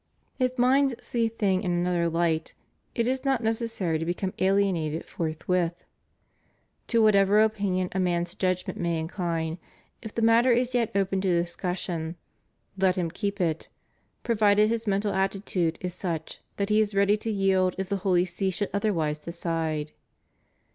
If minds see things in another hght it is not necessary to become alienated forthwith. To whatever opinion a man's judgment may incline, if the matter is yet open to discussion let him keep it, provided his mental attitude is such that he is ready to yield if the Holy See should otherwise decide.